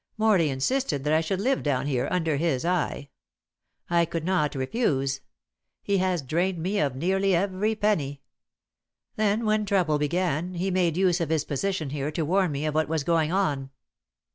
Morley insisted that I should live down here, under his eye. I could not refuse. He has drained me of nearly every penny. Then, when trouble began, he made use of his position here to warn me of what was going on."